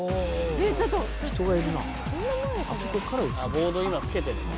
ボード今つけてるんだ。